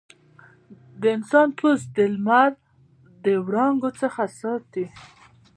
د انسان پوست د لمر د وړانګو څخه ساتي.